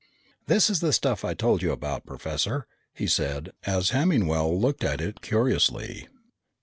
"This is the stuff I told you about, Professor," he said as Hemmingwell looked at it curiously.